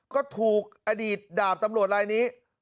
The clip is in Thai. ก็ถูกอดีตดาบตำรวจลายนี้